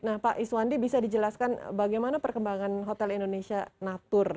nah pak iswandi bisa dijelaskan bagaimana perkembangan hotel indonesia natur